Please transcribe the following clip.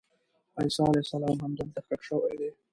عیسی علیه السلام همدلته ښخ شوی دی.